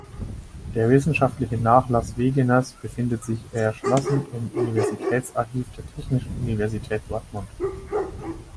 Der wissenschaftliche Nachlass Wegeners befindet sich erschlossen im Universitätsarchiv der Technischen Universität Dortmund.